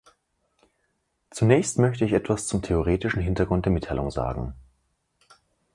Zunächst möchte ich etwas zum theoretischen Hintergrund der Mitteilung sagen.